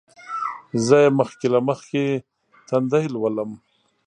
زه یې مخکې له مخکې تندی لولم.